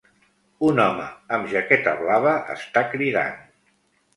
Un home amb jaqueta blava està cridant.